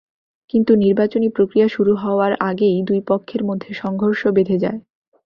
কিন্তু নির্বাচনী প্রক্রিয়া শুরু হওয়ার আগেই দুই পক্ষের মধ্যে সংঘর্ষ বেধে যায়।